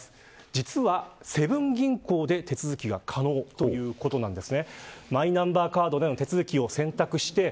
実は、セブン銀行で手続きが可能ということなんです。